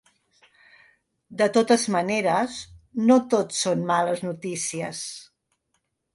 De totes maneres, no tot són males notícies.